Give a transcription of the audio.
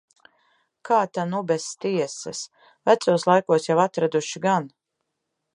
Kā ta nu bez tiesas. Vecos laikos jau atraduši gan.